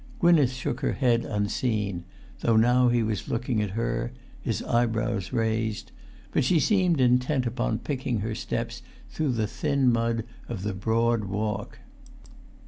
Gwynneth shook her head unseen, though now he was looking at her, his eyebrows raised; but she seemed intent upon picking her steps through the thin mud of the broad walk.